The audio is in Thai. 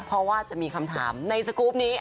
เพราะว่าจะมีคำถามในสกรูปนี้